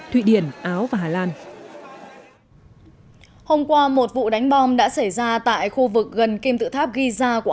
thụy điển áo và hà lan hôm qua một vụ đánh bom đã xảy ra tại khu vực gần kim tự tháp giza của